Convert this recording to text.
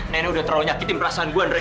nenek udah terlalu nyakitin perasaan gua ndre